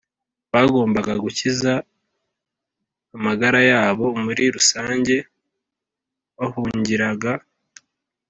bagombaga gukiza amagara yabo Muri rusange bahungiraga